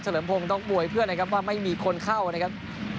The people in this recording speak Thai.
เลิมพงศ์ต้องอวยเพื่อนนะครับว่าไม่มีคนเข้านะครับ